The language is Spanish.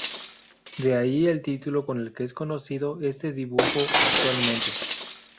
De ahí el título con el que es conocido este dibujo actualmente.